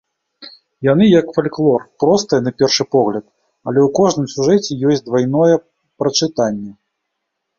Яны, як фальклор, простыя на першы погляд, але ў кожным сюжэце ёсць двайное прачытанне.